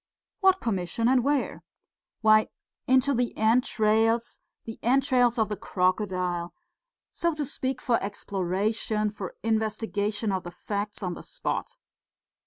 "What commission and where?" "Why, into the entrails, the entrails of the crocodile.... So to speak, for exploration, for investigation of the facts on the spot.